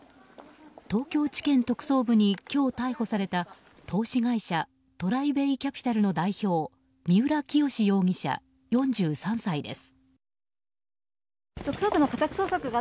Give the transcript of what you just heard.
東京地検特捜部に今日逮捕された投資会社ＴＲＩＢＡＹＣＡＰＩＴＡＬの代表三浦清志容疑者、４３歳です。